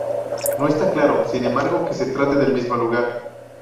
No está claro, sin embargo, que se trate del mismo lugar.